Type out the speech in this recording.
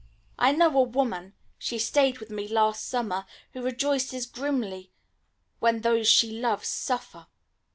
I know a woman she stayed with me last summer who rejoices grimly when those she loves suffer.